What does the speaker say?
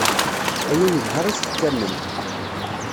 Aya yelha i tfekka-nnem.